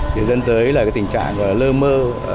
thì dân tới là tình trạng lơ mơ